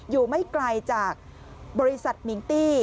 อยู่ไม่ไกลจากบริษัทมิงตี้